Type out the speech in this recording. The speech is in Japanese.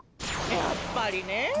やっぱりね。